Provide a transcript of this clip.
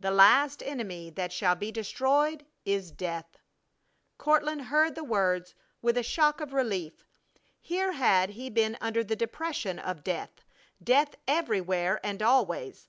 "The last enemy that shall be destroyed is death!" Courtland heard the words with a shock of relief. Here had he been under the depression of death death everywhere and always!